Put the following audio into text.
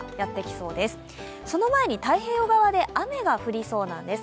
その前に太平洋側で雨が降りそうなんです。